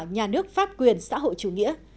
nhà nước pháp quyền xã hội chủ nghĩa